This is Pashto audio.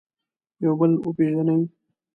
یو بل وپېژني.